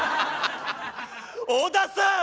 小田さん！